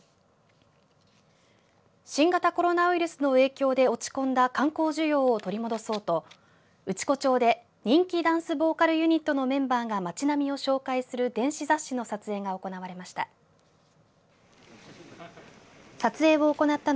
新型コロナウイルスの影響で落ち込んだ観光需要を取り戻そうと内子町で人気ダンス・ボーカルユニットのメンバーが町並みを紹介する電子雑誌の撮影が行われました。